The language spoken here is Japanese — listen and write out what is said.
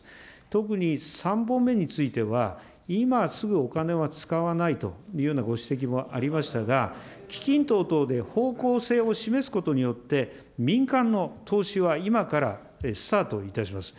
特に３本目については、今すぐお金は使わないというようなご指摘もありましたが、基金等々で方向性を示すことによって、民間の投資は今からスタートいたします。